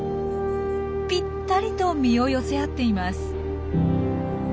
ぴったりと身を寄せ合っています。